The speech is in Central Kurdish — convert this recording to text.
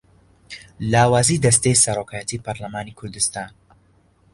لاوازیی دەستەی سەرۆکایەتیی پەرلەمانی کوردستان